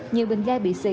nhiều bình ga bị xì